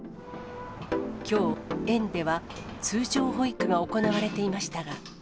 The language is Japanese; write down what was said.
きょう、園では通常保育が行われていましたが。